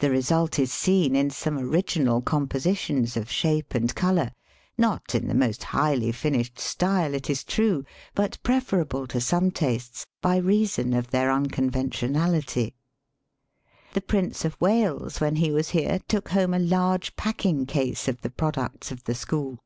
The result is seen in some original compositions of shape and colour, not in the Digitized by VjOOQIC THE LIVEBPOOL OF INDIA. 185 most highly finished style, it is true, but preferable to some tastes by reason of their unconventionality. The Prince of Wales, when he was here, took home a large packing case of the products of the school.